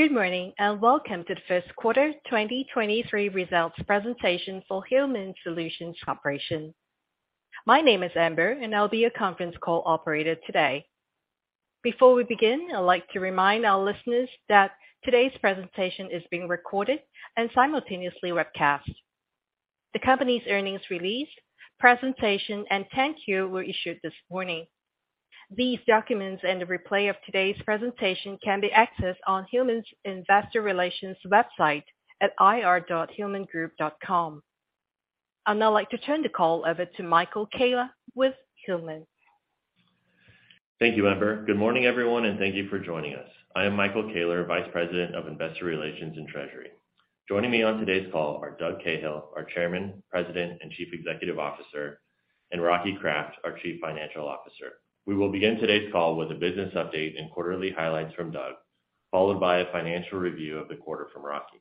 Good morning, welcome to the first quarter 2023 results presentation for Hillman Solutions Corporation. My name is Amber, and I'll be your conference call operator today. Before we begin, I'd like to remind our listeners that today's presentation is being recorded and simultaneously webcast. The company's earnings release, presentation, and 10-Q were issued this morning. These documents and the replay of today's presentation can be accessed on Hillman's investor relations website at ir.hillmangroup.com. I'd now like to turn the call over to Michael Koehler with Hillman. Thank you, Amber. Good morning, everyone. Thank you for joining us. I am Michael Koehler, Vice President of Investor Relations and Treasury. Joining me on today's call are Doug Cahill, our Chairman, President, and Chief Executive Officer, and Rocky Kraft, our Chief Financial Officer. We will begin today's call with a business update and quarterly highlights from Doug, followed by a financial review of the quarter from Rocky.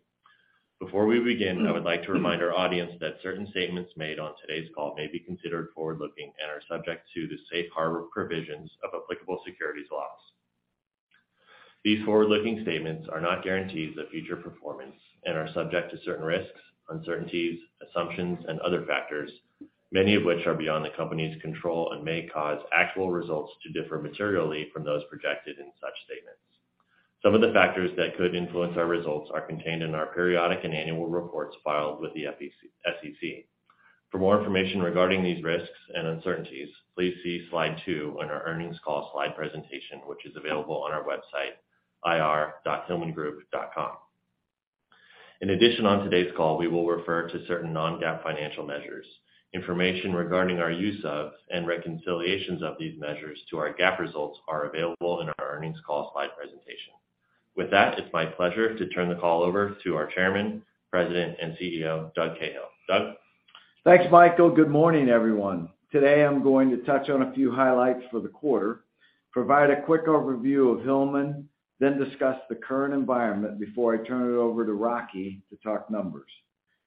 Before we begin, I would like to remind our audience that certain statements made on today's call may be considered forward-looking and are subject to the safe harbor provisions of applicable securities laws. These forward-looking statements are not guarantees of future performance and are subject to certain risks, uncertainties, assumptions, and other factors, many of which are beyond the company's control and may cause actual results to differ materially from those projected in such statements. Some of the factors that could influence our results are contained in our periodic and annual reports filed with the SEC. For more information regarding these risks and uncertainties, please see slide two on our earnings call slide presentation, which is available on our website, ir.hillmangroup.com. On today's call, we will refer to certain non-GAAP financial measures. Information regarding our use of and reconciliations of these measures to our GAAP results are available in our earnings call slide presentation. It's my pleasure to turn the call over to our Chairman, President, and CEO, Doug Cahill. Doug? Thanks, Michael. Good morning, everyone. Today, I'm going to touch on a few highlights for the quarter, provide a quick overview of Hillman, then discuss the current environment before I turn it over to Rocky to talk numbers.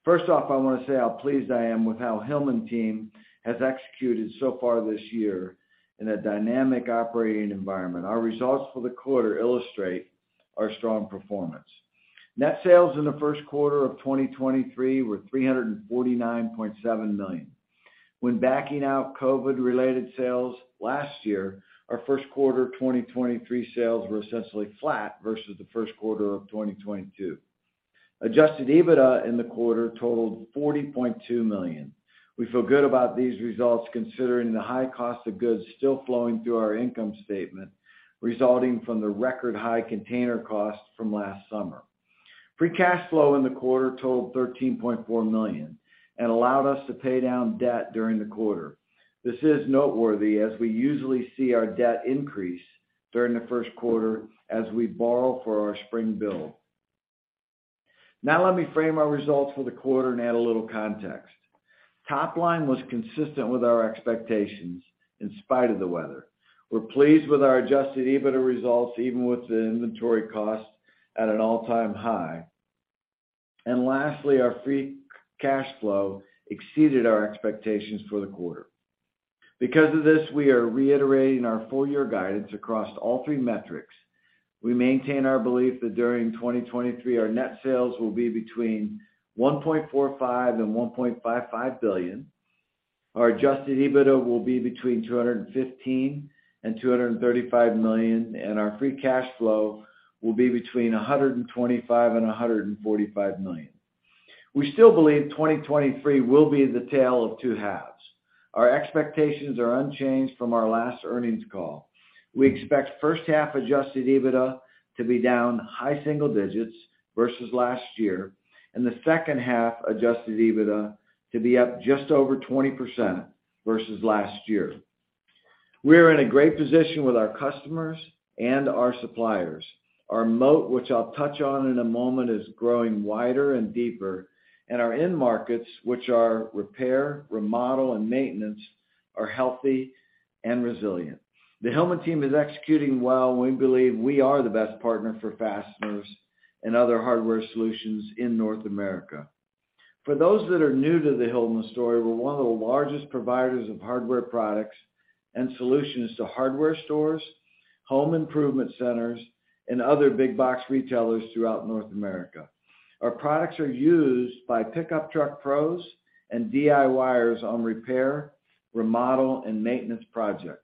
First off, I wanna say how pleased I am with how Hillman team has executed so far this year in a dynamic operating environment. Our results for the quarter illustrate our strong performance. Net sales in the first quarter of 2023 were $349.7 million. When backing out COVID-related sales last year, our first quarter 2023 sales were essentially flat versus the first quarter of 2022. Adjusted EBITDA in the quarter totaled $40.2 million. We feel good about these results considering the high cost of goods still flowing through our income statement resulting from the record-high container costs from last summer. Free cash flow in the quarter totaled $13.4 million and allowed us to pay down debt during the quarter. This is noteworthy as we usually see our debt increase during the first quarter as we borrow for our spring build. Let me frame our results for the quarter and add a little context. Top line was consistent with our expectations in spite of the weather. We're pleased with our adjusted EBITDA results, even with the inventory cost at an all-time high. Lastly, our free cash flow exceeded our expectations for the quarter. Because of this, we are reiterating our full year guidance across all three metrics. We maintain our belief that during 2023, our net sales will be between $1.45 billion and $1.55 billion. Our adjusted EBITDA will be between $215 million and $235 million, and our free cash flow will be between $125 million and $145 million. We still believe 2023 will be the tale of two halves. Our expectations are unchanged from our last earnings call. We expect first half adjusted EBITDA to be down high single digits versus last year, and the second half adjusted EBITDA to be up just over 20% versus last year. We are in a great position with our customers and our suppliers. Our moat, which I'll touch on in a moment, is growing wider and deeper, and our end markets, which are repair, remodel, and maintenance, are healthy and resilient. The Hillman team is executing well. We believe we are the best partner for fasteners and other hardware solutions in North America. For those that are new to the Hillman story, we're one of the largest providers of hardware products and solutions to hardware stores, home improvement centers, and other big box retailers throughout North America. Our products are used by pickup truck pros and DIYers on repair, remodel, and maintenance projects.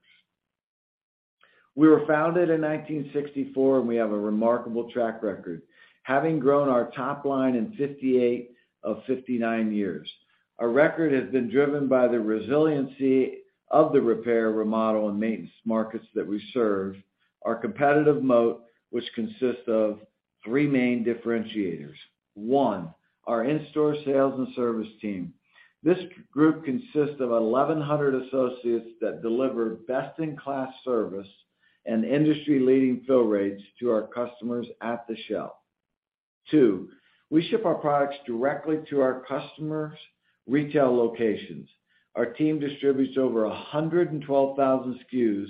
We were founded in 1964. We have a remarkable track record, having grown our top line in 58 of 59 years. Our record has been driven by the resiliency of the repair, remodel, and maintenance markets that we serve. Our competitive moat, which consists of three main differentiators. One, our in-store sales and service team. This group consists of 1,100 associates that deliver best-in-class service and industry-leading fill rates to our customers at the shelf. Two, we ship our products directly to our customers' retail locations. Our team distributes over 112,000 SKUs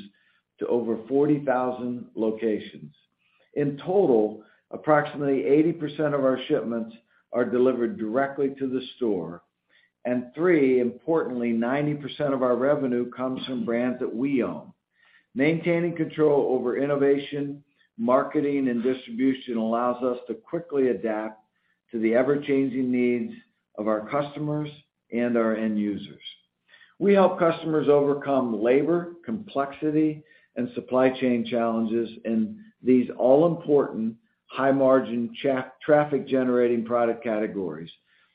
to over 40,000 locations. In total, approximately 80% of our shipments are delivered directly to the store. Three, importantly, 90% of our revenue comes from brands that we own. Maintaining control over innovation, marketing, and distribution allows us to quickly adapt to the ever-changing needs of our customers and our end users. We help customers overcome labor, complexity, and supply chain challenges in these all-important high-margin traffic-generating product categories,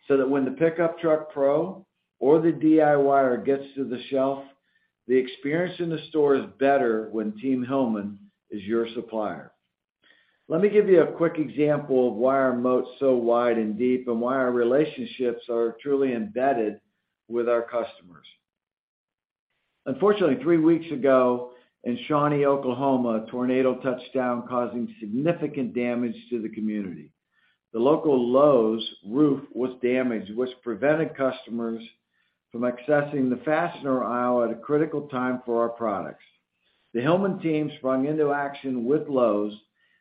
so that when the pickup truck pro or the DIYer gets to the shelf, the experience in the store is better when Team Hillman is your supplier. Let me give you a quick example of why our moat's so wide and deep, and why our relationships are truly embedded with our customers. Unfortunately, three weeks ago in Shawnee, Oklahoma, a tornado touched down, causing significant damage to the community. The local Lowe's roof was damaged, which prevented customers from accessing the fastener aisle at a critical time for our products. The Hillman team sprung into action with Lowe's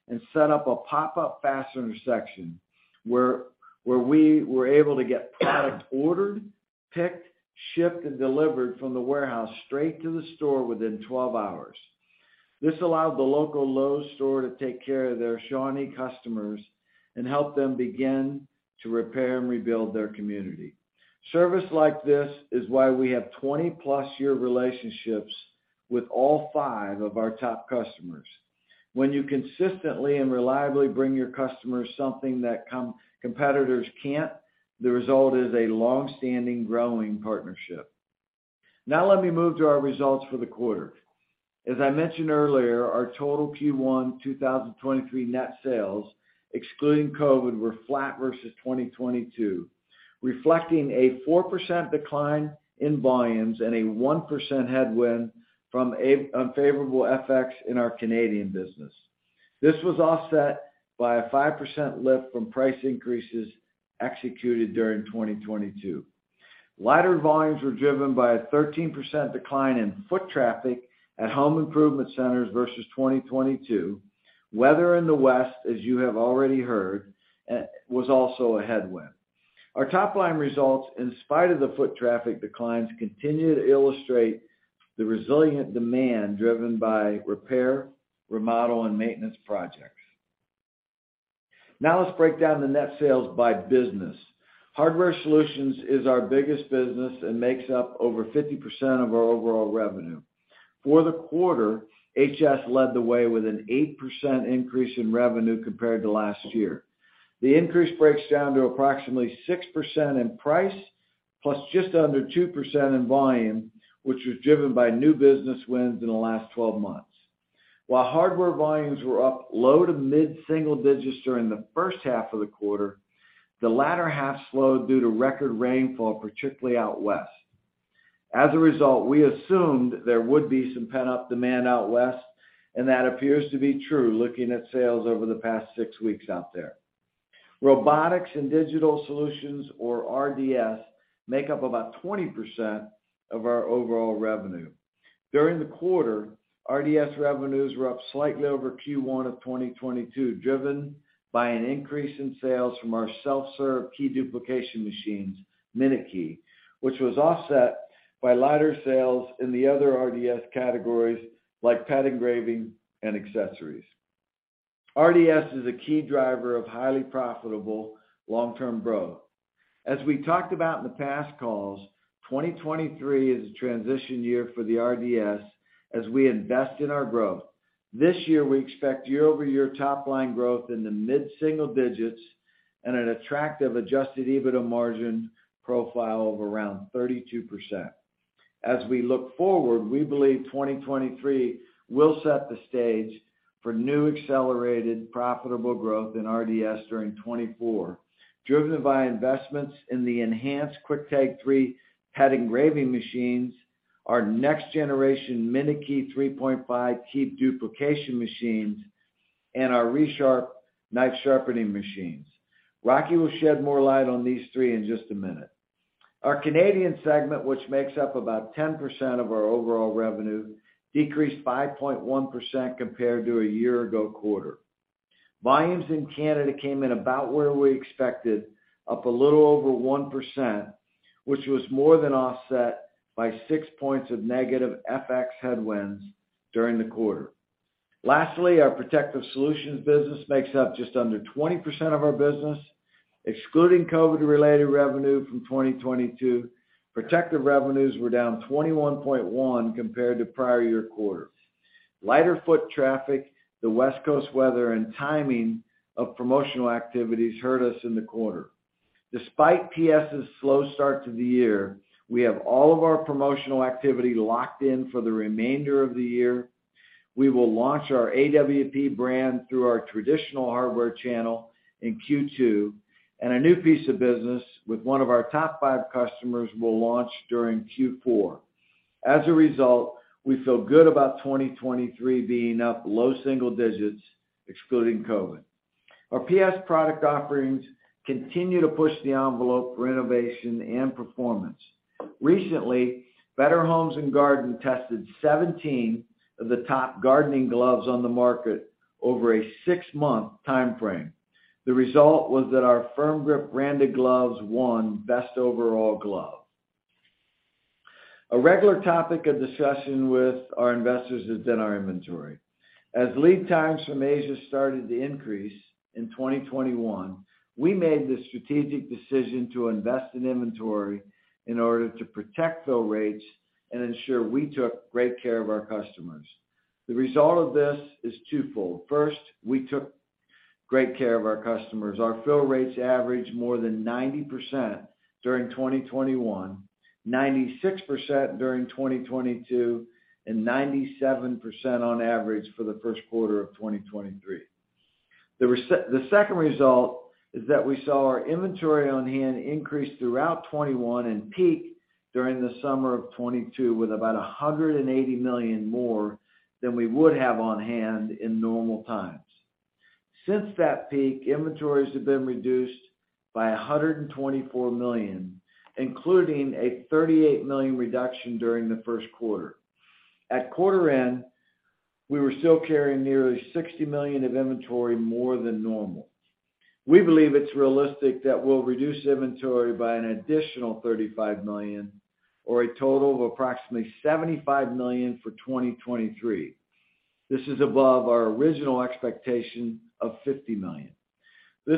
and set up a pop-up fastener section where we were able to get product ordered, picked, shipped, and delivered from the warehouse straight to the store within 12 hours. This allowed the local Lowe's store to take care of their Shawnee customers and help them begin to repair and rebuild their community. Service like this is why we have 20-plus year relationships with all five of our top customers. When you consistently and reliably bring your customers something that competitors can't, the result is a long-standing, growing partnership. Let me move to our results for the quarter. As I mentioned earlier, our total Q1 2023 net sales, excluding COVID, were flat versus 2022, reflecting a 4% decline in volumes and a 1% headwind from unfavorable FX in our Canadian business. This was offset by a 5% lift from price increases executed during 2022. Lighter volumes were driven by a 13% decline in foot traffic at home improvement centers versus 2022. Weather in the West, as you have already heard, was also a headwind. Our top-line results, in spite of the foot traffic declines, continue to illustrate the resilient demand driven by repair, remodel, and maintenance projects. Let's break down the net sales by business. Hardware Solutions is our biggest business and makes up over 50% of our overall revenue. For the quarter, HS led the way with an 8% increase in revenue compared to last year. The increase breaks down to approximately 6% in price, plus just under 2% in volume, which was driven by new business wins in the last 12 months. While hardware volumes were up low to mid-single digits during the first half of the quarter, the latter half slowed due to record rainfall, particularly out West. As a result, we assumed there would be some pent-up demand out West, and that appears to be true looking at sales over the past 6 weeks out there. Robotics and Digital Solutions, or RDS, make up about 20% of our overall revenue. During the quarter, RDS revenues were up slightly over Q1 of 2022, driven by an increase in sales from our self-serve key duplication machines, minuteKEY, which was offset by lighter sales in the other RDS categories like pet engraving and accessories. RDS is a key driver of highly profitable long-term growth. As we talked about in the past calls, 2023 is a transition year for the RDS as we invest in our growth. This year, we expect year-over-year top line growth in the mid-single digits and an attractive adjusted EBITDA margin profile of around 32%. As we look forward, we believe 2023 will set the stage for new accelerated profitable growth in RDS during 2024, driven by investments in the enhanced Quick-Tag 3 pet engraving machines, our next-generation minuteKEY 3.5 key duplication machines, and our Resharp knife sharpening machines. Rocky will shed more light on these 3 in just a minute. Our Canadian segment, which makes up about 10% of our overall revenue, decreased 5.1% compared to a year-ago quarter. Volumes in Canada came in about where we expected, up a little over 1%, which was more than offset by 6 points of negative FX headwinds during the quarter. Lastly, our Protective Solutions business makes up just under 20% of our business. Excluding COVID-related revenue from 2022, Protective Solutions revenues were down 21.1% compared to prior year quarter. Lighter foot traffic, the West Coast weather, and timing of promotional activities hurt us in the quarter. Despite PS's slow start to the year, we have all of our promotional activity locked in for the remainder of the year. We will launch our AWP brand through our traditional hardware channel in Q2, and a new piece of business with one of our top five customers will launch during Q4. As a result, we feel good about 2023 being up low single digits, excluding COVID. Our PS product offerings continue to push the envelope for innovation and performance. Recently, Better Homes & Gardens tested 17 of the top gardening gloves on the market over a 6-month timeframe. The result was that our Firm Grip branded gloves won Best Overall Glove. A regular topic of discussion with our investors has been our inventory. As lead times from Asia started to increase in 2021, we made the strategic decision to invest in inventory in order to protect fill rates and ensure we took great care of our customers. The result of this is twofold. First, we took great care of our customers. Our fill rates averaged more than 90% during 2021, 96% during 2022, and 97% on average for the 1st quarter of 2023. The second result is that we saw our inventory on hand increase throughout 2021 and peak during the summer of 2022 with about $180 million more than we would have on hand in normal times. Since that peak, inventories have been reduced by $124 million, including a $38 million reduction during the first quarter. At quarter end, we were still carrying nearly $60 million of inventory more than normal. We believe it's realistic that we'll reduce inventory by an additional $35 million or a total of approximately $75 million for 2023. This is above our original expectation of $50 million. I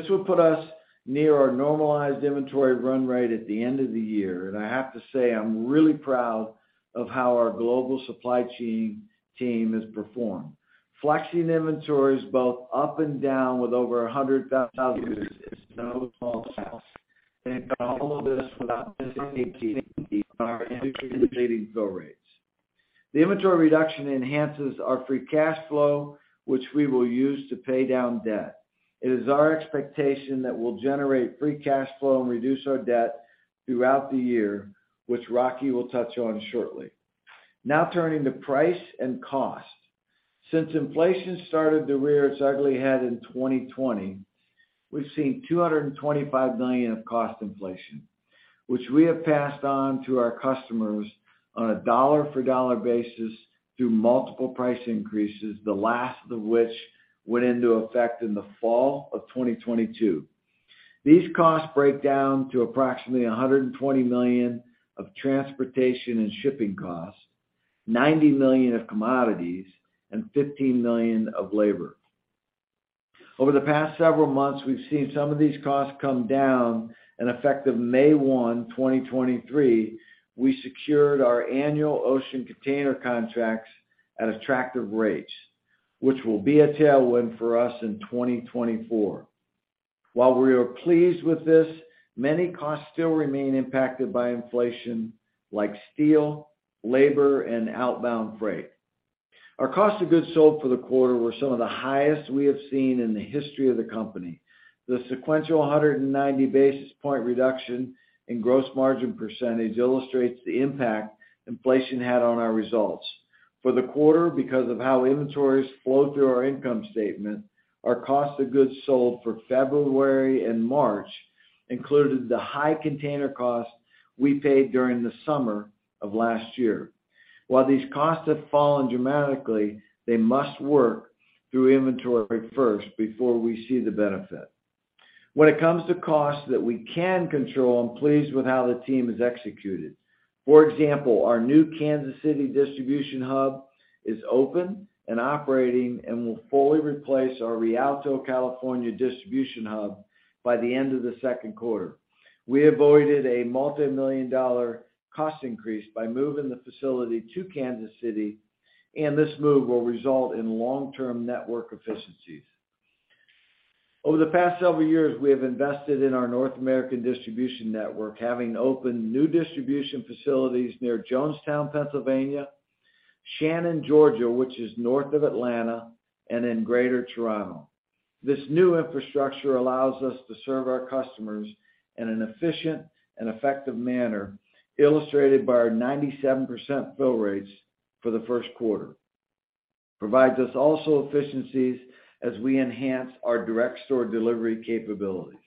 have to say I'm really proud of how our global supply chain team has performed. Flexing inventories both up and down with over 100,000 is no small task. They've done all of this without missing a beat on our industry-leading fill rates. The inventory reduction enhances our free cash flow, which we will use to pay down debt. It is our expectation that we'll generate free cash flow and reduce our debt throughout the year, which Rocky will touch on shortly. Turning to price and cost. Since inflation started to rear its ugly head in 2020, we've seen $225 million of cost inflation, which we have passed on to our customers on a dollar-for-dollar basis through multiple price increases, the last of which went into effect in the fall of 2022. These costs break down to approximately $120 million of transportation and shipping costs, $90 million of commodities, and $15 million of labor. Over the past several months, we've seen some of these costs come down. Effective May 1, 2023, we secured our annual ocean container contracts at attractive rates, which will be a tailwind for us in 2024. While we are pleased with this, many costs still remain impacted by inflation, like steel, labor, and outbound freight. Our cost of goods sold for the quarter were some of the highest we have seen in the history of the company. The sequential 190 basis point reduction in gross margin percentage illustrates the impact inflation had on our results. For the quarter, because of how inventories flow through our income statement, our cost of goods sold for February and March included the high container costs we paid during the summer of last year. While these costs have fallen dramatically, they must work through inventory first before we see the benefit. When it comes to costs that we can control, I'm pleased with how the team has executed. For example, our new Kansas City distribution hub is open and operating and will fully replace our Rialto, California, distribution hub by the end of the second quarter. We avoided a multimillion-dollar cost increase by moving the facility to Kansas City, and this move will result in long-term network efficiencies. Over the past several years, we have invested in our North American distribution network, having opened new distribution facilities near Jonestown, Pennsylvania, Shannon, Georgia, which is north of Atlanta, and in Greater Toronto. This new infrastructure allows us to serve our customers in an efficient and effective manner, illustrated by our 97% fill rates for the first quarter. Provides us also efficiencies as we enhance our direct store delivery capabilities.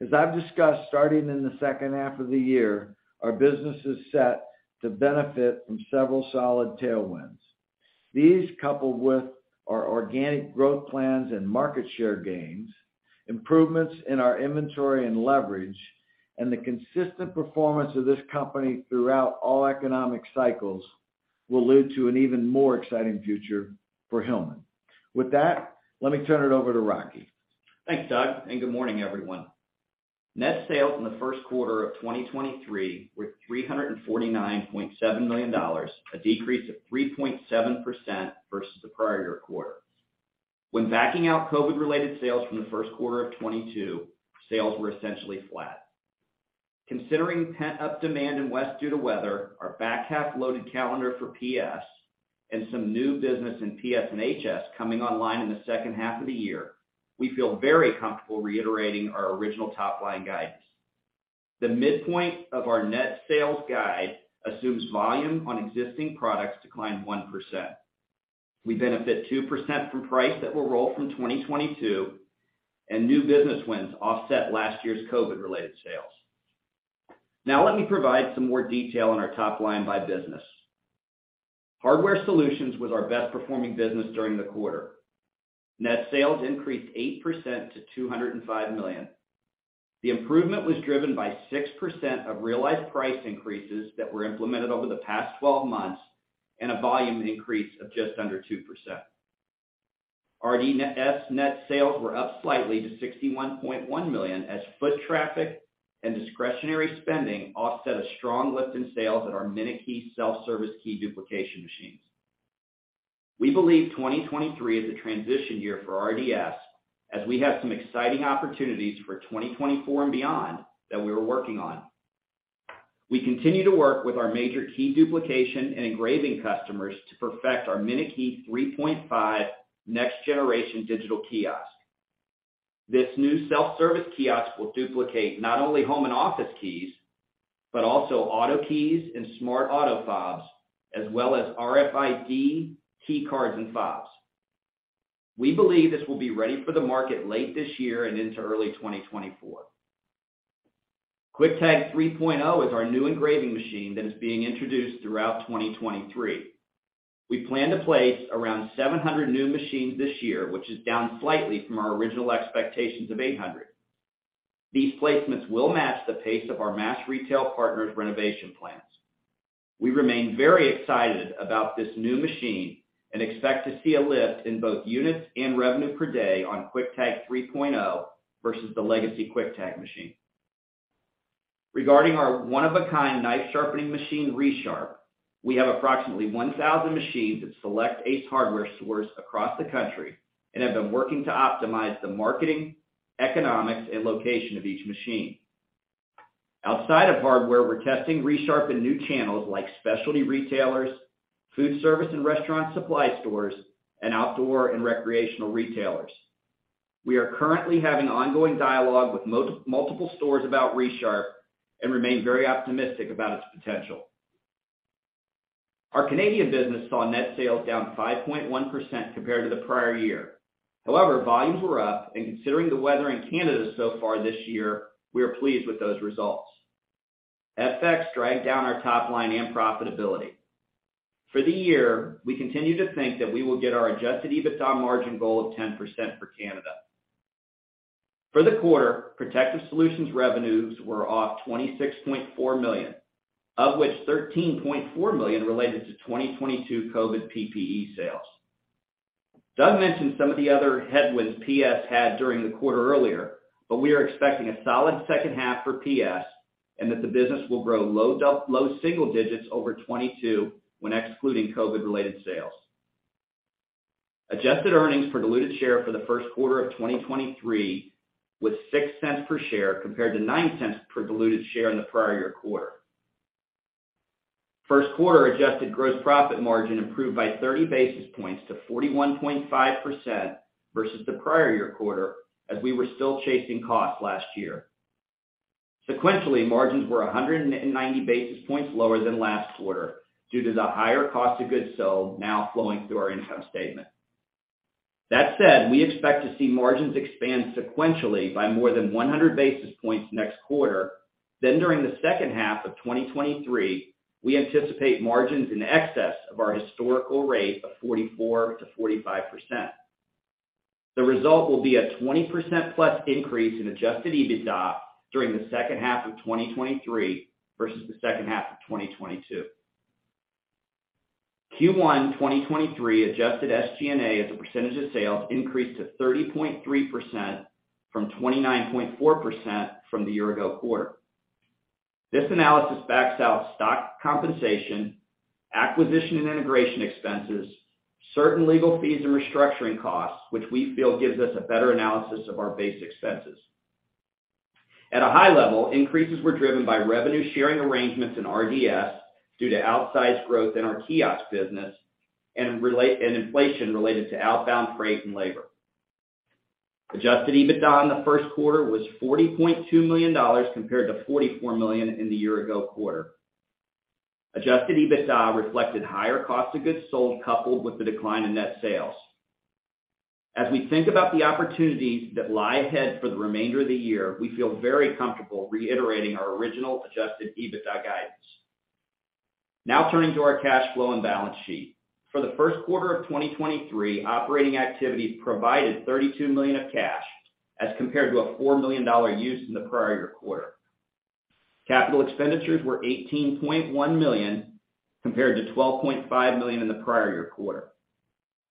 As I've discussed, starting in the second half of the year, our business is set to benefit from several solid tailwinds. These, coupled with our organic growth plans and market share gains, improvements in our inventory and leverage, and the consistent performance of this company throughout all economic cycles, will lead to an even more exciting future for Hillman. With that, let me turn it over to Rocky. Thanks, Doug, good morning, everyone. Net sales in the first quarter of 2023 were $349.7 million, a decrease of 3.7% versus the prior year quarter. When backing out COVID-related sales from the first quarter of 2022, sales were essentially flat. Considering pent-up demand in West due to weather, our back half-loaded calendar for PS, and some new business in PS and HS coming online in the second half of the year, we feel very comfortable reiterating our original top-line guidance. The midpoint of our net sales guide assumes volume on existing products decline 1%. We benefit 2% from price that will roll from 2022, new business wins offset last year's COVID-related sales. Let me provide some more detail on our top line by business. Hardware Solutions was our best performing business during the quarter. Net sales increased 8% to $205 million. The improvement was driven by 6% of realized price increases that were implemented over the past 12 months and a volume increase of just under 2%. RDS net sales were up slightly to $61.1 million as foot traffic and discretionary spending offset a strong lift in sales at our minuteKEY self-service key duplication machines. We believe 2023 is a transition year for RDS as we have some exciting opportunities for 2024 and beyond that we are working on. We continue to work with our major key duplication and engraving customers to perfect our minuteKEY 3.5 next generation digital kiosk. This new self-service kiosk will duplicate not only home and office keys, but also auto keys and smart auto fobs, as well as RFID key cards and fobs. We believe this will be ready for the market late this year and into early 2024. Quick-Tag 3.0 is our new engraving machine that is being introduced throughout 2023. We plan to place around 700 new machines this year, which is down slightly from our original expectations of 800. These placements will match the pace of our mass retail partners renovation plans. We remain very excited about this new machine and expect to see a lift in both units and revenue per day on Quick-Tag 3.0 versus the legacy Quick-Tag machine. Regarding our one-of-a-kind knife sharpening machine, Resharp, we have approximately 1,000 machines at select Ace Hardware stores across the country and have been working to optimize the marketing, economics, and location of each machine. Outside of hardware, we're testing Resharp in new channels like specialty retailers, food service and restaurant supply stores, and outdoor and recreational retailers. We are currently having ongoing dialogue with multiple stores about Resharp and remain very optimistic about its potential. Our Canadian business saw net sales down 5.1% compared to the prior year. Volumes were up, and considering the weather in Canada so far this year, we are pleased with those results. FX dragged down our top line and profitability. For the year, we continue to think that we will get our adjusted EBITDA margin goal of 10% for Canada. For the quarter, Protective Solutions revenues were off $26.4 million, of which $13.4 million related to 2022 COVID PPE sales. Doug mentioned some of the other headwinds PS had during the quarter earlier, we are expecting a solid second half for PS and that the business will grow low single digits over 2022 when excluding COVID-related sales. Adjusted earnings per diluted share for the first quarter of 2023 was $0.06 per share compared to $0.09 per diluted share in the prior year quarter. First quarter adjusted gross profit margin improved by 30 basis points to 41.5% versus the prior year quarter as we were still chasing costs last year. Sequentially, margins were 190 basis points lower than last quarter due to the higher cost of goods sold now flowing through our income statement. That said, we expect to see margins expand sequentially by more than 100 basis points next quarter. During the second half of 2023, we anticipate margins in excess of our historical rate of 44%-45%. The result will be a 20%+ increase in adjusted EBITDA during the second half of 2023 versus the second half of 2022. Q1 2023 adjusted SG&A as a percentage of sales increased to 30.3% from 29.4% from the year ago quarter. This analysis backs out stock compensation, acquisition and integration expenses, certain legal fees and restructuring costs, which we feel gives us a better analysis of our base expenses. At a high level, increases were driven by revenue sharing arrangements in RDS due to outsized growth in our kiosk business and inflation related to outbound freight and labor. Adjusted EBITDA in the first quarter was $40.2 million compared to $44 million in the year-ago quarter. Adjusted EBITDA reflected higher cost of goods sold coupled with the decline in net sales. We think about the opportunities that lie ahead for the remainder of the year, we feel very comfortable reiterating our original adjusted EBITDA guidance. Turning to our cash flow and balance sheet. For the first quarter of 2023, operating activities provided $32 million of cash as compared to a $4 million use in the prior year quarter. Capital expenditures were $18.1 million compared to $12.5 million in the prior year quarter.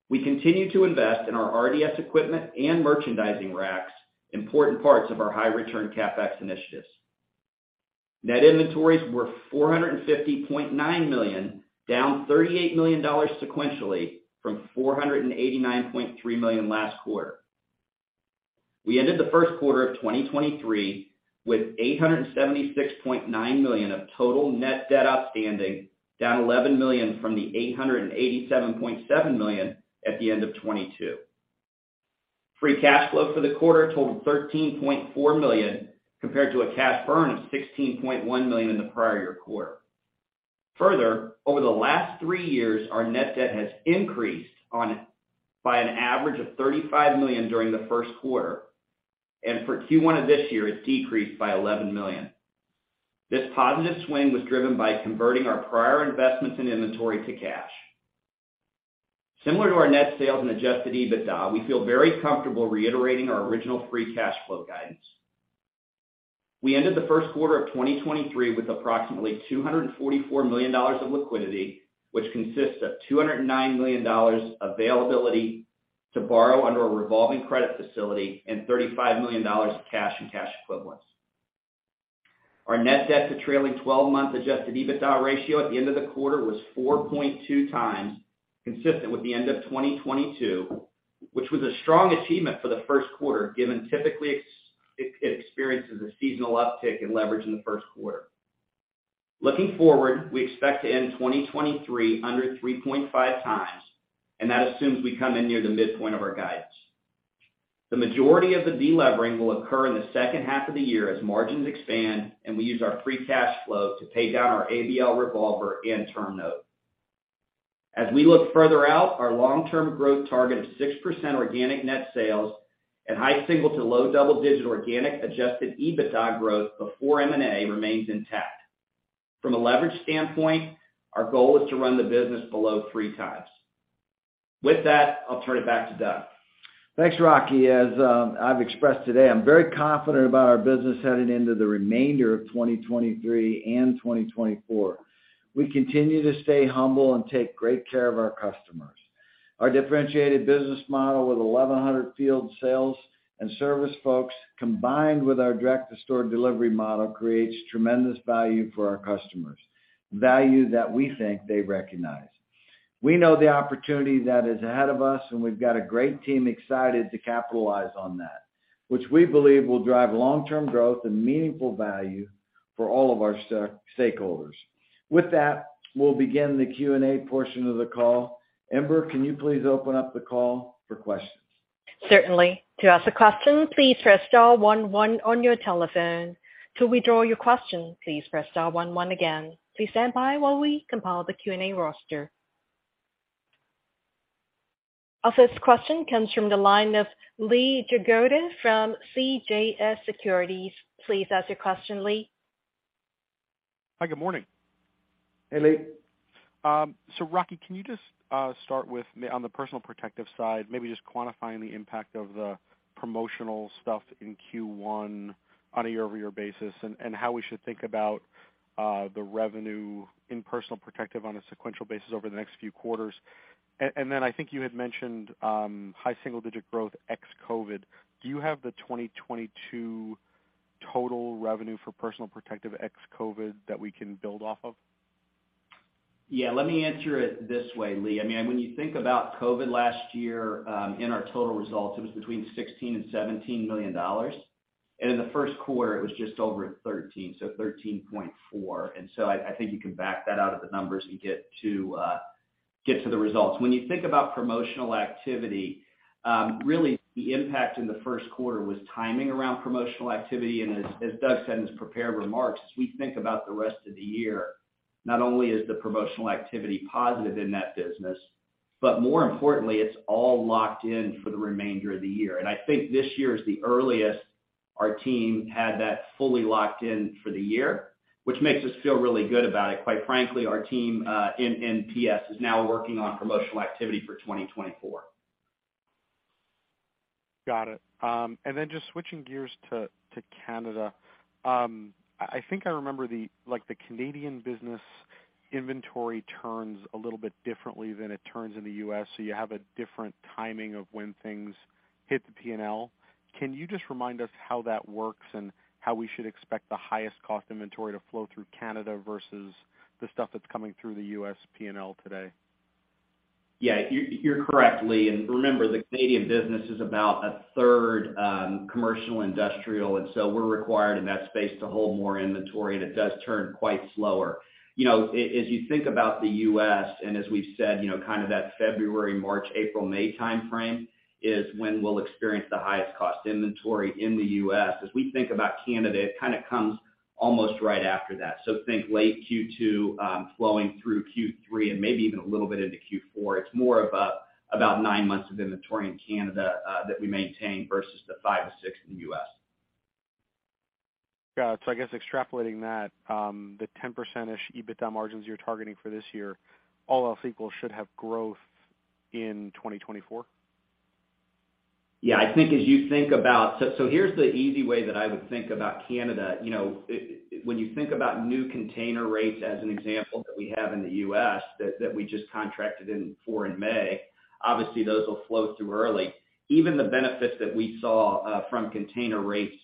We continue to invest in our RDS equipment and merchandising racks, important parts of our high return CapEx initiatives. Net inventories were $450.9 million, down $38 million sequentially from $489.3 million last quarter. We ended the first quarter of 2023 with $876.9 million of total net debt outstanding, down $11 million from the $887.7 million at the end of 2022. Free cash flow for the quarter totaled $13.4 million compared to a cash burn of $16.1 million in the prior year quarter. Over the last three years, our net debt has increased by an average of $35 million during the first quarter. For Q1 of this year, it's decreased by $11 million. This positive swing was driven by converting our prior investments in inventory to cash. Similar to our net sales and adjusted EBITDA, we feel very comfortable reiterating our original free cash flow guidance. We ended the first quarter of 2023 with approximately $244 million of liquidity, which consists of $209 million availability to borrow under a revolving credit facility and $35 million of cash and cash equivalents. Our net debt to trailing 12-month adjusted EBITDA ratio at the end of the quarter was 4.2 times, consistent with the end of 2022, which was a strong achievement for the first quarter, given typically ex-it experiences a seasonal uptick in leverage in the first quarter. Looking forward, we expect to end 2023 under 3.5 times, that assumes we come in near the midpoint of our guidance. The majority of the delevering will occur in the second half of the year as margins expand and we use our free cash flow to pay down our ABL revolver and term note. We look further out, our long-term growth target of 6% organic net sales and high single to low double-digit organic adjusted EBITDA growth before M&A remains intact. From a leverage standpoint, our goal is to run the business below 3x. With that, I'll turn it back to Doug. Thanks, Rocky. As I've expressed today, I'm very confident about our business heading into the remainder of 2023 and 2024. We continue to stay humble and take great care of our customers. Our differentiated business model with 1,100 field sales and service folks, combined with our direct store delivery model, creates tremendous value for our customers, value that we think they recognize. We know the opportunity that is ahead of us, and we've got a great team excited to capitalize on that, which we believe will drive long-term growth and meaningful value for all of our stakeholders. With that, we'll begin the Q&A portion of the call. Amber, can you please open up the call for questions? Certainly. To ask a question, please press star one one on your telephone. To withdraw your question, please press star one one again. Please stand by while we compile the Q&A roster. Our 1st question comes from the line of Lee Jagoda from CJS Securities. Please ask your question, Lee. Hi, good morning. Hey, Lee. Rocky, can you just start with may on the Personal Protective side, maybe just quantifying the impact of the promotional stuff in Q1 on a year-over-year basis, and how we should think about the revenue in Personal Protective on a sequential basis over the next few quarters? I think you had mentioned high single digit growth ex-COVID. Do you have the 2022 total revenue for Personal Protective ex-COVID that we can build off of? Yeah. Let me answer it this way, Lee Jagoda. I mean, when you think about COVID last year, in our total results, it was between $16 million and $17 million. In the first quarter, it was just over 13, so 13.4. I think you can back that out of the numbers and get to the results. When you think about promotional activity, really, the impact in the first quarter was timing around promotional activity. As Doug Cahill said in his prepared remarks, as we think about the rest of the year, not only is the promotional activity positive in that business, but more importantly, it's all locked in for the remainder of the year. I think this year is the earliest our team had that fully locked in for the year, which makes us feel really good about it. Quite frankly, our team, in PS is now working on promotional activity for 2024. Got it. Just switching gears to Canada. I think I remember the like the Canadian business inventory turns a little bit differently than it turns in the US, so you have a different timing of when things hit the P&L. Can you just remind us how that works and how we should expect the highest cost inventory to flow through Canada versus the stuff that's coming through the US P&L today? Yeah. You're correct, Lee. Remember, the Canadian business is about a third commercial industrial, and so we're required in that space to hold more inventory, and it does turn quite slower. You know, as you think about the U.S., and as we've said, you know, kind of that February, March, April, May timeframe is when we'll experience the highest cost inventory in the U.S. As we think about Canada, it kinda comes almost right after that. Think late Q2, flowing through Q3 and maybe even a little bit into Q4. It's more about nine months of inventory in Canada that we maintain versus the five to six in the U.S. Got it. I guess extrapolating that, the 10%-ish EBITDA margins you're targeting for this year, all else equal should have growth in 2024? Yeah. I think as you think about here's the easy way that I would think about Canada. You know, when you think about new container rates as an example that we have in the US that we just contracted for in May, obviously those will flow through early. Even the benefits that we saw from container rates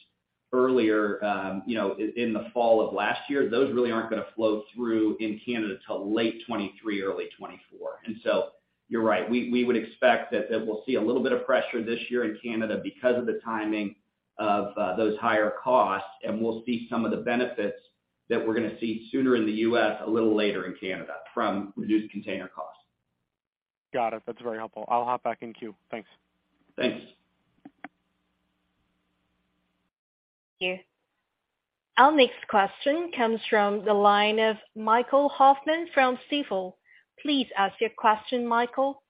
earlier, you know, in the fall of last year, those really aren't gonna flow through in Canada till late 2023, early 2024. You're right. We would expect that we'll see a little bit of pressure this year in Canada because of the timing of those higher costs, and we'll see some of the benefits that we're gonna see sooner in the US a little later in Canada from reduced container costs. Got it. That's very helpful. I'll hop back in queue. Thanks. Thanks. Thank you. Our next question comes from the line of Michael Hoffman from Stifel. Please ask your question, Michael.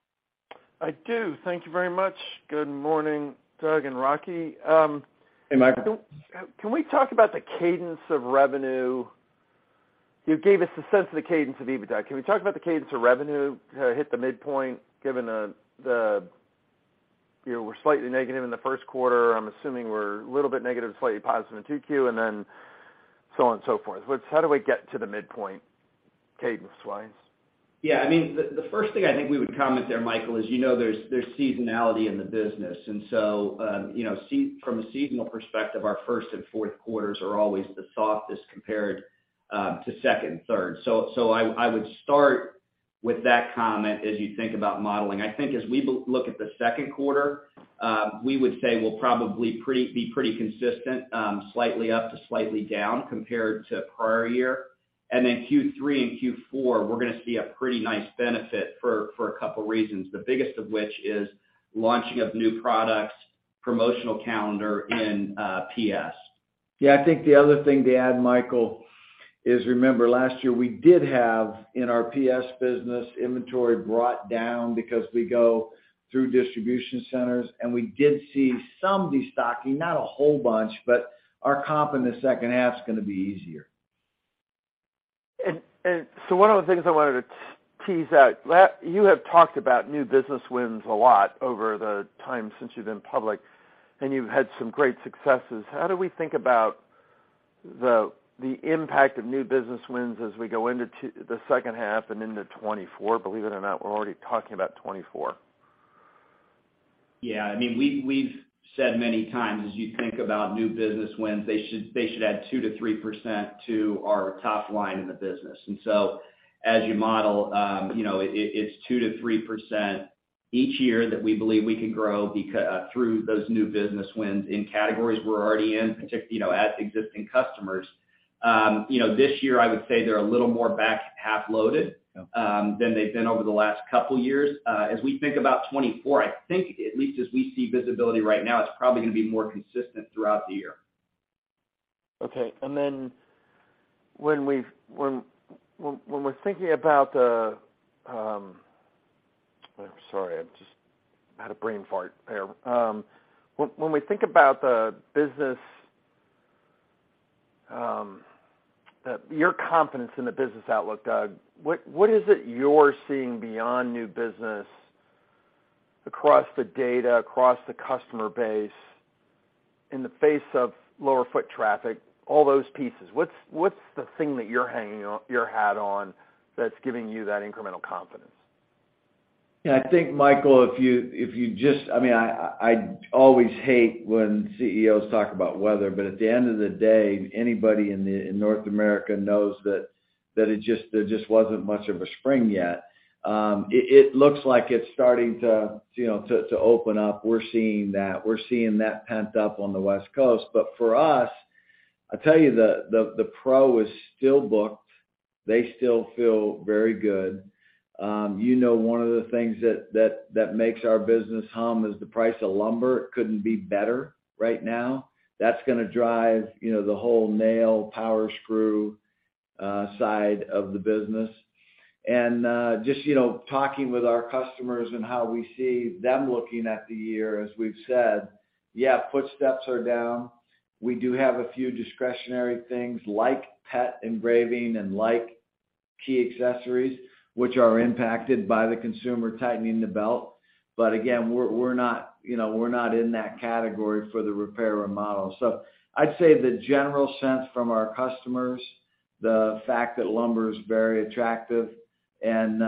I do. Thank you very much. Good morning, Doug and Rocky. Hey, Michael. Can we talk about the cadence of revenue? You gave us a sense of the cadence of EBITDA. Can we talk about the cadence of revenue to hit the midpoint given the, you know, we're slightly negative in the first quarter. I'm assuming we're a little bit negative, slightly positive in 2Q and then so on and so forth. How do we get to the midpoint cadence-wise? Yeah. I mean, the first thing I think we would comment there, Michael, is, you know, there's seasonality in the business. You know, from a seasonal perspective, our first and fourth quarters are always the softest compared to second and third. I would start with that comment as you think about modeling. I think as we look at the second quarter, we would say we'll probably be pretty consistent, slightly up to slightly down compared to prior year. Q3 and Q4, we're gonna see a pretty nice benefit for a couple reasons, the biggest of which is launching of new products, promotional calendar in PS. I think the other thing to add, Michael, is remember last year, we did have in our PS business inventory brought down because we go through distribution centers, and we did see some destocking, not a whole bunch, but our comp in the second half is gonna be easier. One of the things I wanted to tease out. You have talked about new business wins a lot over the time since you've been public, and you've had some great successes. How do we think about the impact of new business wins as we go into the second half and into 2024? Believe it or not, we're already talking about 2024. Yeah. I mean, we've said many times as you think about new business wins, they should add 2%-3% to our top line in the business. As you model, you know, it's 2%-3% each year that we believe we can grow through those new business wins in categories we're already in, you know, as existing customers. You know, this year, I would say they're a little more back-half loaded than they've been over the last couple years. As we think about 2024, I think at least as we see visibility right now, it's probably gonna be more consistent throughout the year. Okay. When we're thinking about the... I'm sorry. I just had a brain fart there. When we think about the business, your confidence in the business outlook, Doug, what is it you're seeing beyond new business across the data, across the customer base in the face of lower foot traffic, all those pieces? What's the thing that you're hanging on your hat on that's giving you that incremental confidence? Yeah. I think, Michael, if you just I mean, I always hate when CEOs talk about weather, at the end of the day, anybody in North America knows that there just wasn't much of a spring yet. It looks like it's starting to, you know, to open up. We're seeing that. We're seeing that pent up on the West Coast. For us, I tell you the pro is still booked. They still feel very good. You know, one of the things that makes our business hum is the price of lumber couldn't be better right now. That's gonna drive, you know, the whole nail, power screw side of the business. Just, you know, talking with our customers and how we see them looking at the year, as we've said, yeah, footsteps are down. We do have a few discretionary things like pet engraving and like key accessories, which are impacted by the consumer tightening the belt. Again, we're not, you know, we're not in that category for the repair or remodel. I'd say the general sense from our customers, the fact that lumber is very attractive and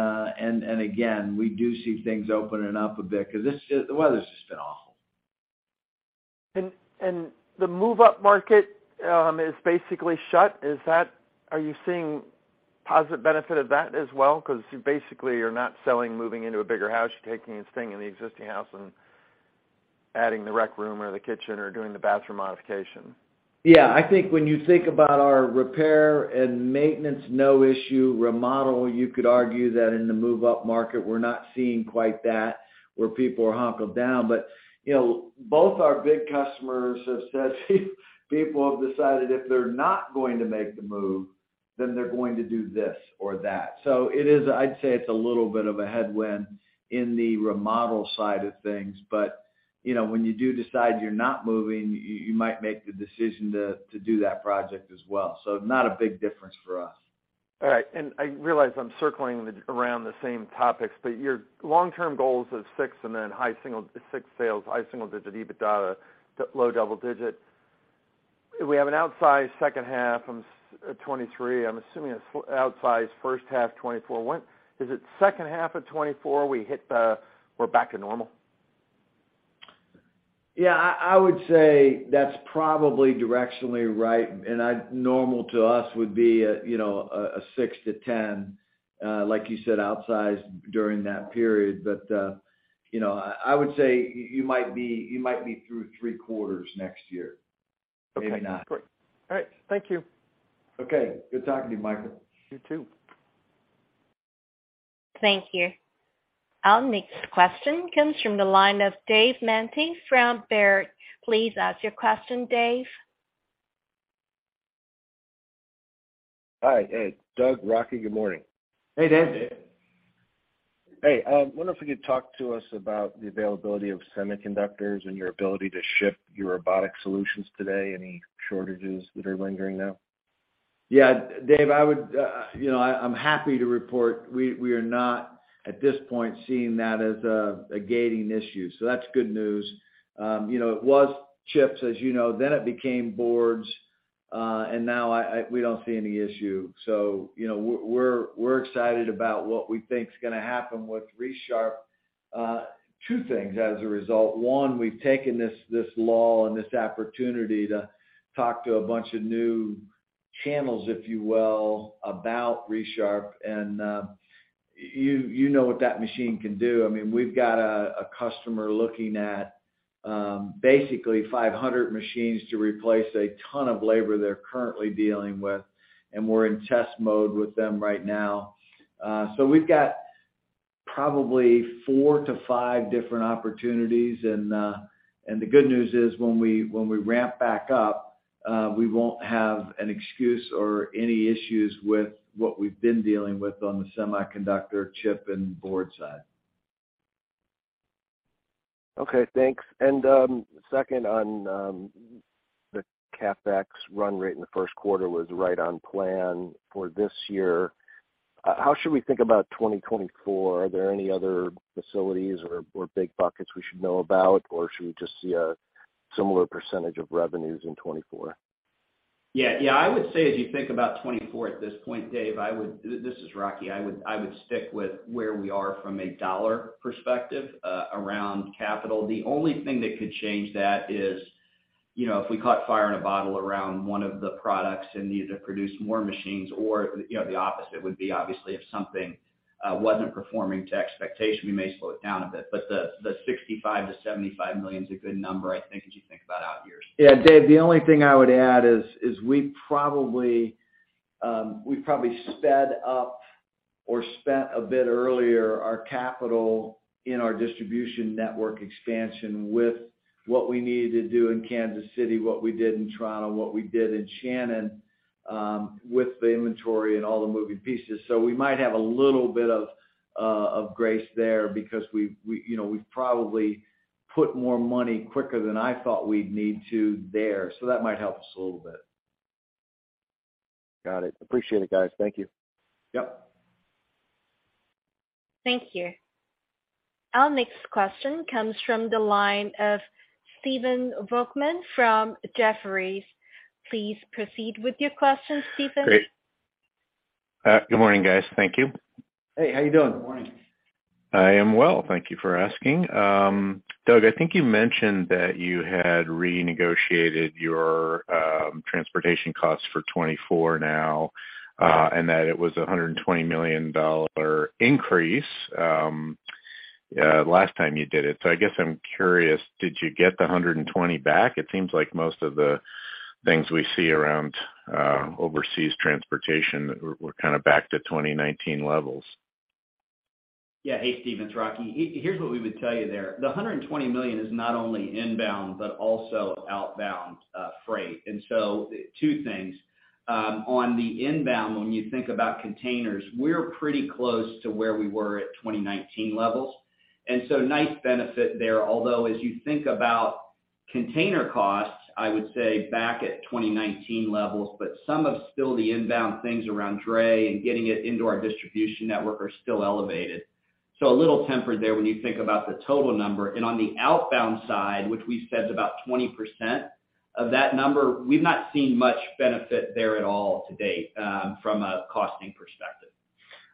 again, we do see things opening up a bit 'cause the weather's just been awful. The move-up market is basically shut. Are you seeing positive benefit of that as well? 'Cause basically you're not selling, moving into a bigger house. You're taking this thing in the existing house and adding the rec room or the kitchen or doing the bathroom modification. Yeah. I think when you think about our repair and maintenance, no issue remodel, you could argue that in the move-up market, we're not seeing quite that where people are hunkered down. You know, both our big customers have said people have decided if they're not going to make the move, then they're going to do this or that. I'd say it's a little bit of a headwind in the remodel side of things. You know, when you do decide you're not moving, you might make the decision to do that project as well. Not a big difference for us. All right. I realize I'm circling around the same topics, but your long-term goals of 6 sales, high single-digit EBITDA to low double-digit. If we have an outsized second half of 2023, I'm assuming it's outsized first half 2024. Is it second half of 2024 we hit, we're back to normal? Yeah. I would say that's probably directionally right. Normal to us would be, you know, a 6-10, like you said, outsized during that period. you know, I would say you might be through 3 quarters next year. Okay. Maybe not. Great. All right. Thank you. Okay. Good talking to you, Michael. You too. Thank you. Our next question comes from the line of David Manthey from Baird. Please ask your question, Dave. Hi. Hey, Doug, Rocky, good morning. Hey, Dave. Hey, wonder if you could talk to us about the availability of semiconductors and your ability to ship your robotic solutions today. Any shortages that are lingering now? Yeah, Dave, I would, you know, I'm happy to report we are not, at this point, seeing that as a gating issue. That's good news. You know, it was chips, as you know, then it became boards. Now we don't see any issue. You know, we're excited about what we think is gonna happen with Resharp, two things as a result. One, we've taken this lull and this opportunity to talk to a bunch of new channels, if you will, about Resharp. You know what that machine can do. I mean, we've got a customer looking at, basically 500 machines to replace a ton of labor they're currently dealing with, and we're in test mode with them right now. We've got probably four to five different opportunities. The good news is, when we ramp back up, we won't have an excuse or any issues with what we've been dealing with on the semiconductor chip and board side. Okay, thanks. second on the CapEx run rate in the first quarter was right on plan for this year. How should we think about 2024? Are there any other facilities or big buckets we should know about, or should we just see a similar percentage of revenues in 2024? Yeah. I would say as you think about 2024 at this point, Dave, I would. This is Rocky. I would stick with where we are from a dollar perspective around capital. The only thing that could change that is, you know, if we caught fire in a bottle around one of the products and needed to produce more machines or, you know, the opposite would be obviously if something wasn't performing to expectation, we may slow it down a bit. The $65 million-$75 million is a good number, I think, as you think about out years. Yeah. Dave, the only thing I would add is we probably sped up or spent a bit earlier our capital in our distribution network expansion with what we needed to do in Kansas City, what we did in Toronto, what we did in Shannon, with the inventory and all the moving pieces. We might have a little bit of grace there because we, you know, we've probably put more money quicker than I thought we'd need to there. That might help us a little bit. Got it. Appreciate it, guys. Thank you. Yep. Thank you. Our next question comes from the line of Stephen Volkmann from Jefferies. Please proceed with your question, Stephen. Great. Good morning, guys. Thank you. Hey, how you doing? Good morning. I am well, thank you for asking. Doug, I think you mentioned that you had renegotiated your transportation costs for 2024 now, and that it was a $120 million increase, last time you did it. I guess I'm curious, did you get the $120 back? It seems like most of the things we see around overseas transportation we're kind of back to 2019 levels. Hey, Stephen, it's Rocky Kraft. Here's what we would tell you there. The $120 million is not only inbound, but also outbound freight. Two things on the inbound, when you think about containers, we're pretty close to where we were at 2019 levels, and so nice benefit there. As you think about container costs, I would say back at 2019 levels, but some of still the inbound things around dray and getting it into our distribution network are still elevated. A little tempered there when you think about the total number. On the outbound side, which we said about 20% of that number, we've not seen much benefit there at all to date from a costing perspective.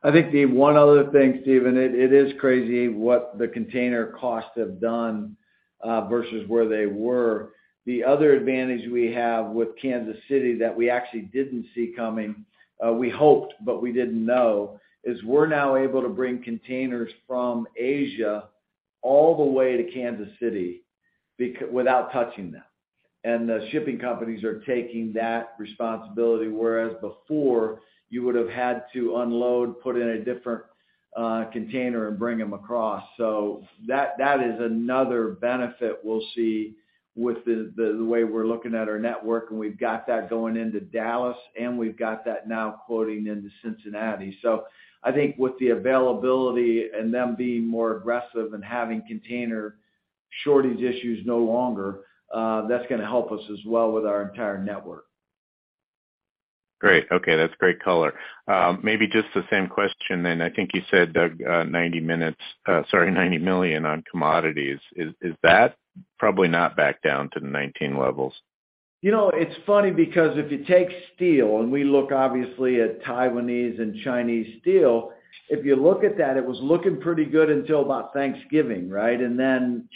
I think the one other thing, Stephen, it is crazy what the container costs have done versus where they were. The other advantage we have with Kansas City that we actually didn't see coming, we hoped, but we didn't know, is we're now able to bring containers from Asia all the way to Kansas City without touching them. The shipping companies are taking that responsibility, whereas before, you would have had to unload, put in a different container and bring them across. That is another benefit we'll see with the way we're looking at our network, and we've got that going into Dallas, and we've got that now quoting into Cincinnati. I think with the availability and them being more aggressive and having container shortage issues no longer, that's gonna help us as well with our entire network. Great. Okay, that's great color. Maybe just the same question. I think you said, Doug, $90 million on commodities. Is that probably not back down to the 2019 levels? You know, it's funny because if you take steel, and we look obviously at Taiwanese and Chinese steel, if you look at that, it was looking pretty good until about Thanksgiving, right?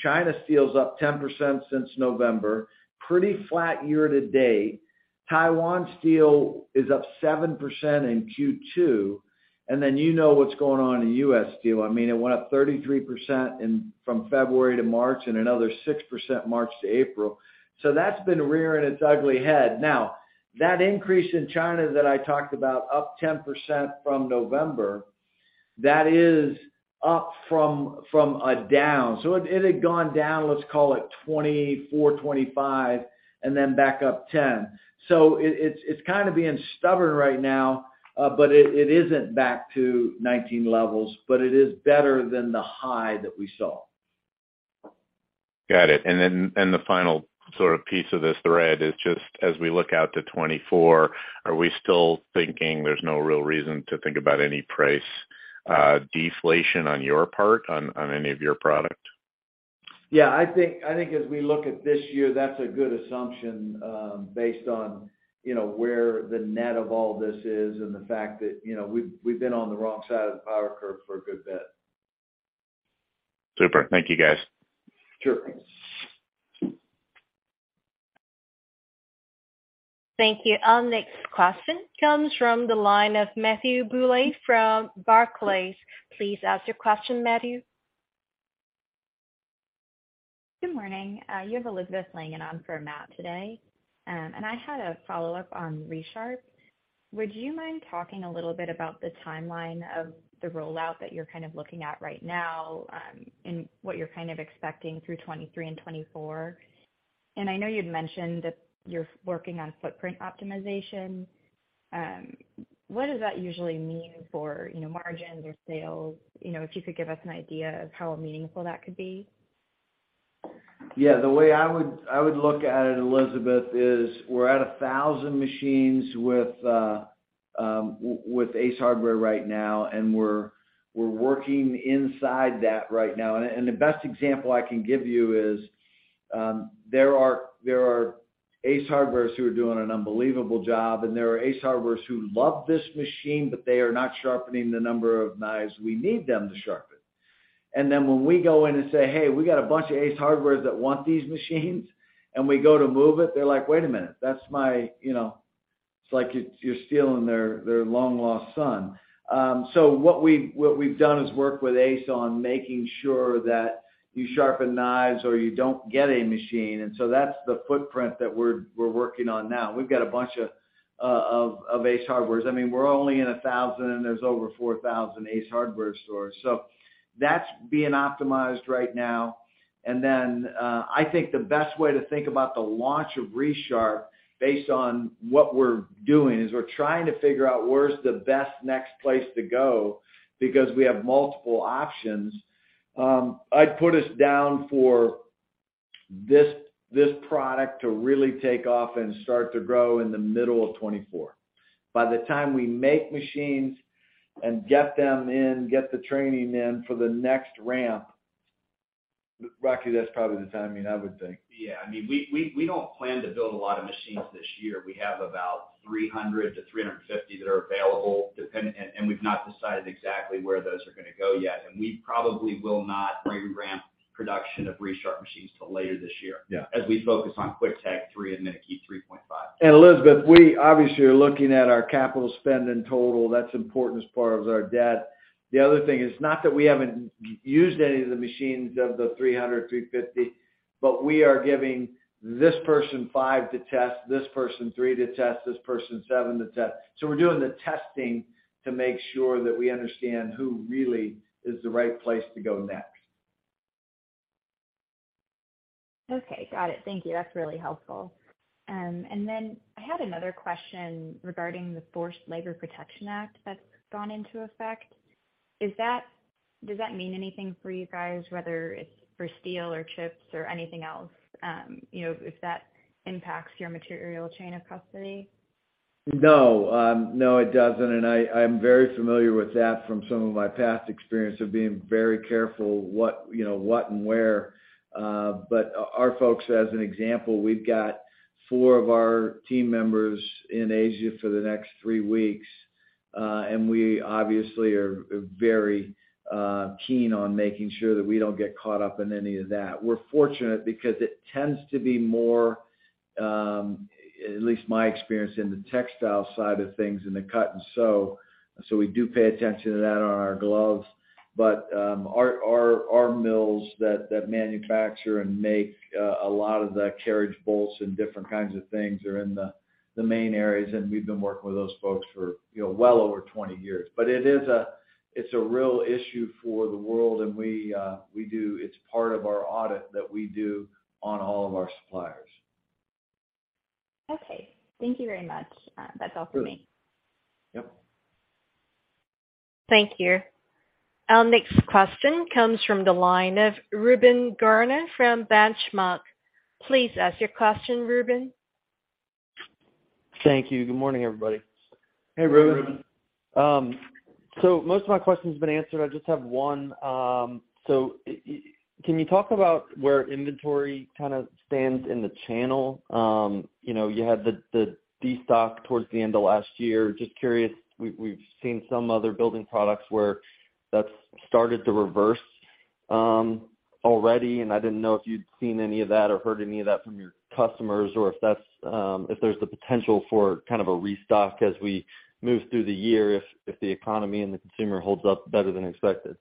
China Steel is up 10% since November, pretty flat year to date. Taiwan Steel is up 7% in Q2, you know what's going on in US Steel. I mean, it went up 33% from February to March and another 6% March to April. That's been rearing its ugly head. That increase in China that I talked about, up 10% from November. That is up from a down. It had gone down, let's call it 24%, 25%, then back up 10%. It's kind of being stubborn right now, but it isn't back to 19 levels, but it is better than the high that we saw. Got it. The final sort of piece of this thread is just as we look out to 2024, are we still thinking there's no real reason to think about any price deflation on your part on any of your product? Yeah, I think as we look at this year, that's a good assumption, based on, you know, where the net of all this is and the fact that, you know, we've been on the wrong side of the power curve for a good bit. Super. Thank you, guys. Sure. Thank you. Our next question comes from the line of Matthew Bouley from Barclays. Please ask your question, Matthew. Good morning. You have Elizabeth Langan on for Matt today. I had a follow-up on Resharp. Would you mind talking a little bit about the timeline of the rollout that you're kind of looking at right now, and what you're kind of expecting through 2023 and 2024? I know you'd mentioned that you're working on footprint optimization. What does that usually mean for, you know, margins or sales? You know, if you could give us an idea of how meaningful that could be. Yeah. The way I would look at it, Elizabeth, is we're at 1,000 machines with Ace Hardware right now, and we're working inside that right now. The best example I can give you is, there are Ace Hardwares who are doing an unbelievable job, and there are Ace Hardwares who love this machine, but they are not sharpening the number of knives we need them to sharpen. When we go in and say, "Hey, we got a bunch of Ace Hardwares that want these machines," and we go to move it, they're like, "Wait a minute, that's my," you know. It's like you're stealing their long lost son. What we've done is work with Ace on making sure that you sharpen knives or you don't get a machine. That's the footprint that we're working on now. We've got a bunch of Ace Hardwares. I mean, we're only in 1,000, and there's over 4,000 Ace Hardware stores. That's being optimized right now. I think the best way to think about the launch of Resharp based on what we're doing is we're trying to figure out where's the best next place to go because we have multiple options. I'd put us down for this product to really take off and start to grow in the middle of 2024. By the time we make machines and get them in, get the training in for the next ramp, Rocky, that's probably the timing I would think. Yeah. I mean, we don't plan to build a lot of machines this year. We have about 300-350 that are available, and we've not decided exactly where those are gonna go yet. We probably will not ramp production of Resharp machines till later this year. Yeah as we focus on Quick-Tag 3 and minuteKEY 3.5. Elizabeth, we obviously are looking at our capital spend in total. That's important as part of our debt. The other thing is not that we haven't used any of the machines of the 300, 350, but we are giving this person 5 to test, this person 3 to test, this person 7 to test. We're doing the testing to make sure that we understand who really is the right place to go next. Okay. Got it. Thank you. That's really helpful. I had another question regarding the Forced Labor Protection Act that's gone into effect. Does that mean anything for you guys, whether it's for steel or chips or anything else, you know, if that impacts your material chain of custody? No. No, it doesn't. I'm very familiar with that from some of my past experience of being very careful what, you know, what and where. But our folks, as an example, we've got four of our team members in Asia for the next three weeks, and we obviously are very keen on making sure that we don't get caught up in any of that. We're fortunate because it tends to be more, at least my experience in the textile side of things and the cut and sew, so we do pay attention to that on our gloves. But our mills that manufacture and make a lot of the carriage bolts and different kinds of things are in the main areas, and we've been working with those folks for, you know, well over 20 years. It's a real issue for the world, and we do. It's part of our audit that we do on all of our suppliers. Okay. Thank you very much. That's all for me. Sure. Yep. Thank you. Our next question comes from the line of Reuben Garner from Benchmark. Please ask your question, Reuben. Thank you. Good morning, everybody. Hey, Reuben. Hey, Reuben. Most of my question's been answered. I just have one. Can you talk about where inventory kind of stands in the channel? You know, you had the destock towards the end of last year. Just curious, we've seen some other building products where that's started to reverse already, and I didn't know if you'd seen any of that or heard any of that from your customers or if that's if there's the potential for kind of a restock as we move through the year if the economy and the consumer holds up better than expected.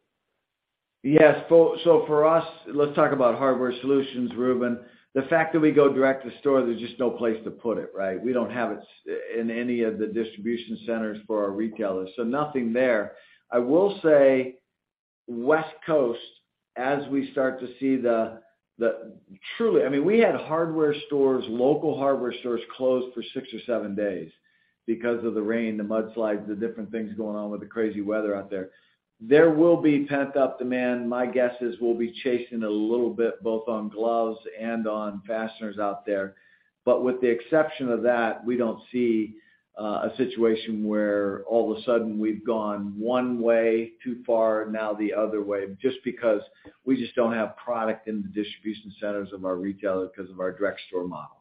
Yes. So for us, let's talk about Hardware Solutions, Reuben. The fact that we go direct to store, there's just no place to put it, right? We don't have it in any of the distribution centers for our retailers, so nothing there. I will say West Coast, as we start to see the... Truly, I mean, we had hardware stores, local hardware stores closed for six or seven days because of the rain, the mudslides, the different things going on with the crazy weather out there. There will be pent-up demand. My guess is we'll be chasing a little bit both on gloves and on fasteners out there, but with the exception of that, we don't see a situation where all of a sudden we've gone one way too far, now the other way, just because we just don't have product in the distribution centers of our retailer because of our direct store model.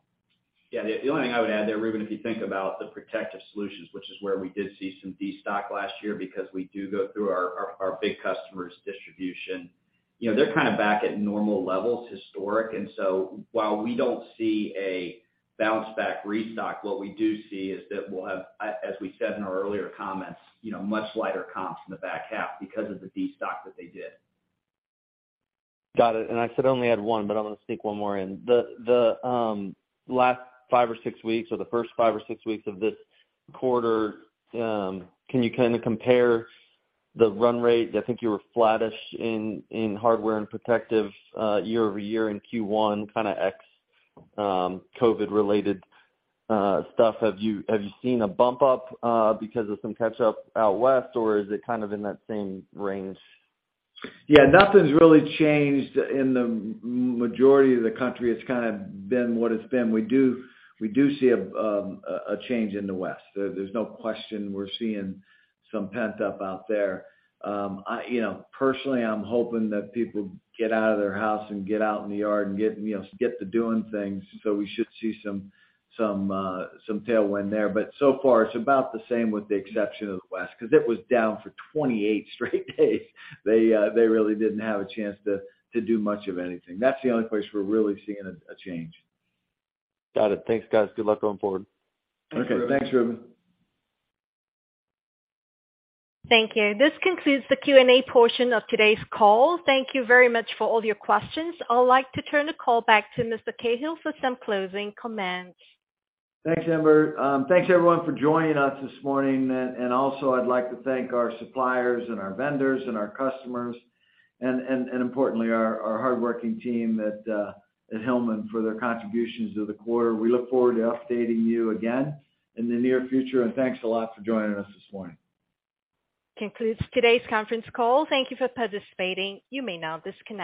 Yeah. The only thing I would add there, Reuben, if you think about the Protective Solutions, which is where we did see some destock last year because we do go through our big customers' distribution, you know, they're kind of back at normal levels, historic. While we don't see a bounce back restock, what we do see is that we'll have, as we said in our earlier comments, you know, much lighter comps in the back half because of the destock that they did. Got it. I said I only had 1, but I'm gonna sneak 1 more in. Last 5 or 6 weeks or the first 5 or 6 weeks of this quarter, can you kinda compare the run rate? I think you were flattish in Hardware and Protective year-over-year in Q1, kinda ex COVID related stuff. Have you seen a bump up because of some catch up out west, or is it kind of in that same range? Yeah, nothing's really changed in the majority of the country. It's kinda been what it's been. We do see a change in the West. There's no question we're seeing some pent up out there. I, you know, personally, I'm hoping that people get out of their house and get out in the yard and get, you know, get to doing things. We should see some tailwind there. So far, it's about the same with the exception of the West 'cause it was down for 28 straight days. They really didn't have a chance to do much of anything. That's the only place we're really seeing a change. Got it. Thanks, guys. Good luck going forward. Okay. Thanks, Reuben. Thank you. This concludes the Q&A portion of today's call. Thank you very much for all your questions. I would like to turn the call back to Mr. Cahill for some closing comments. Thanks, Amber. Thanks everyone for joining us this morning. Also I'd like to thank our suppliers and our vendors and our customers and importantly, our hardworking team at Hillman for their contributions to the quarter. We look forward to updating you again in the near future, and thanks a lot for joining us this morning. Concludes today's conference call. Thank you for participating. You may now disconnect.